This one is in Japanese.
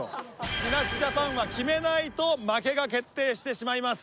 木梨ジャパンは決めないと負けが決定してしまいます。